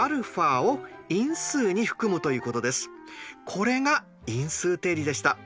これが因数定理でした。